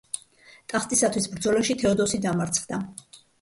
ტახტისათვის ბრძოლაში თეოდოსი დამარცხდა.